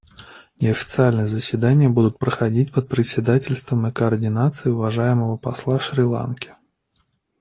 Неофициальные заседания будут проходить под председательством и координацией уважаемого посла Шри-Ланки.